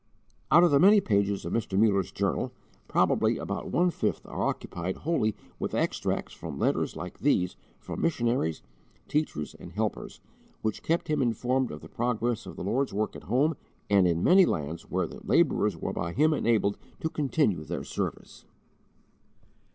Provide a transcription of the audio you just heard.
Out of the many pages of Mr. Muller's journal, probably about one fifth are occupied wholly with extracts from letters like these from missionaries, teachers, and helpers, which kept him informed of the progress of the Lord's work at home and in many lands where the labourers were by him enabled to continue their service.